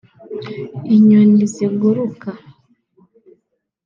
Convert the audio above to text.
inyoni ziguruka